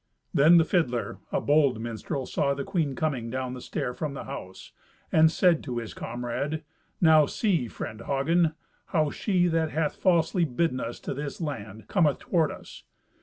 Then the fiddler, a bold minstrel, saw the queen coming down the stair from the house, and said to his comrade, "Now see, friend Hagen, how she that hath falsely bidden us to this land, cometh toward us.